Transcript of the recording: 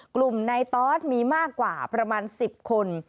กลุ่มในตอสมีมากกว่าประมาณ๑๐คน